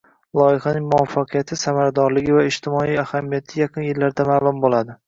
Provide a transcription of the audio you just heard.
Loyihalarning muvaffaqiyati, samaradorligi va ijtimoiy ahamiyati yaqin yillarda ma'lum bo'ladi